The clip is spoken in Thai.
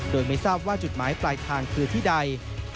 โดยไม่ทราบว่าจุดหมายปลายทางคือที่ใด